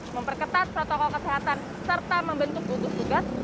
memperketat protokol kesehatan serta membentuk gugus tugas